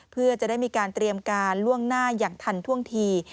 เพื่อจะได้มีการเตรียมการล่วงหน้าอย่างทันท่วงที